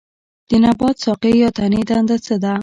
د نبات ساقې یا تنې دنده څه ده